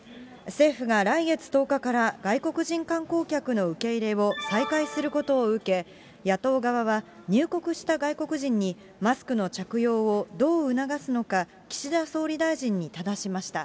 政府が来月１０日から、外国人観光客の受け入れを再開することを受け、野党側は入国した外国人に、マスクの着用をどう促すのか、岸田総理大臣にただしました。